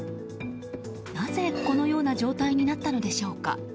なぜこのような状態になったのでしょうか。